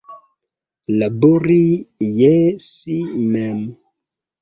Labori je si mem.